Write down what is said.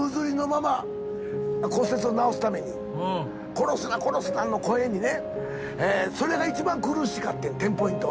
「殺すな殺すな」の声にね。それが一番苦しかってんテンポイントは。